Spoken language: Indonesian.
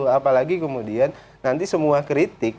apalagi kemudian nanti semua kritik